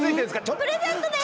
プレゼントです！